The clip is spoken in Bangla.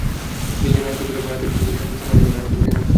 বিলজানি এলাকায় রাতে দুটি গুলির শব্দ শোনা যায় বলে এলাকাবাসী জানিয়েছেন।